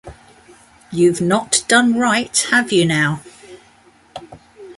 You’ve not done right, have you, now?